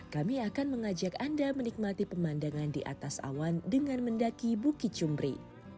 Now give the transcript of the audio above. kami akan mengajak anda menikmati pemandangan di atas awan dengan mendaki bukit cumbri